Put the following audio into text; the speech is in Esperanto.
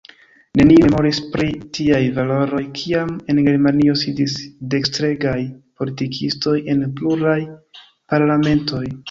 Neniu memoris pri tiaj valoroj, kiam en Germanio sidis dekstregaj politikistoj en pluraj parlamentoj.